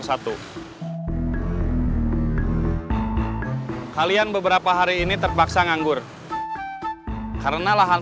saya juga pake angkot bos